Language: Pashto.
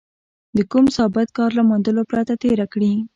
د کوم ثابت کار له موندلو پرته تېره کړې.